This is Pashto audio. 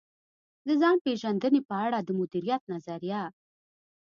د ځان پېژندنې په اړه د مديريت نظريه.